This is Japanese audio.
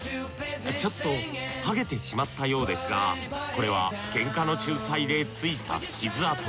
ちょっとハゲてしまったようですがこれはケンカの仲裁でついた傷跡。